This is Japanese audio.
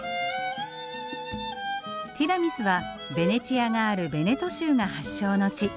ティラミスはベネチアがあるヴェネト州が発祥の地。